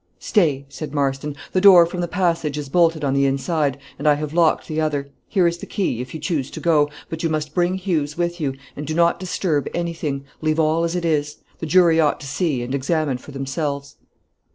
"Stay," said Marston; "the door from the passage is bolted on the inside, and I have locked the other; here is the key, if you choose to go, but you must bring Hughes with you, and do not disturb anything; leave all as it is; the jury ought to see, and examine for themselves."